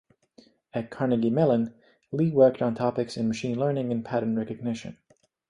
At Carnegie Mellon, Lee worked on topics in machine learning and pattern recognition.